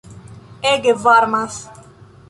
Ege varmas!